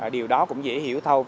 điều đó cũng dễ hiểu thâu